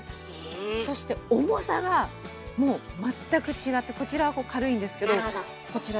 そして重さがもう全く違ってこちらは軽いんですけどこちら